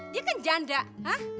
dia kan janda hah